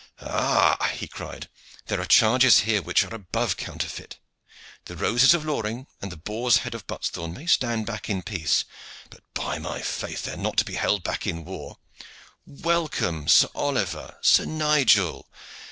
"Ha!" he cried, "there are charges here which are above counterfeit. The roses of Loring and the boar's head of Buttesthorn may stand back in peace, but by my faith! they are not to be held back in war. Welcome, Sir Oliver, Sir Nigel!